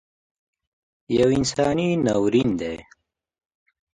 یو انساني ناورین دی